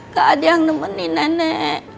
gak ada yang nemenin nenek